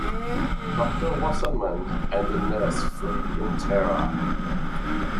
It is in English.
Doctor Wasserman and the nurse flee in terror.